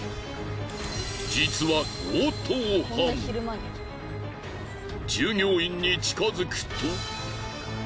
実は従業員に近づくと。